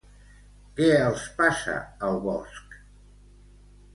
Què els passa al bosc?